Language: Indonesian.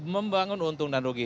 membangun untung dan rugi